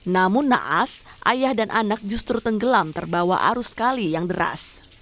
namun naas ayah dan anak justru tenggelam terbawa arus kali yang deras